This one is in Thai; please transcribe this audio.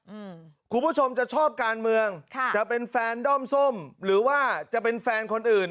คุณผู้ชมจะชอบการเมืองค่ะจะเป็นแฟนด้อมส้มหรือว่าจะเป็นแฟนคนอื่น